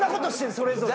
それぞれ。